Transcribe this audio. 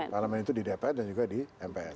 parlemen itu di dpr dan juga di mpr